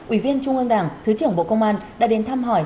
ủy viên trung ương đảng thứ trưởng bộ công an đã đến thăm hỏi